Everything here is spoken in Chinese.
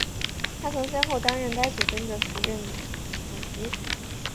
她曾先后担任该组织的署理主席。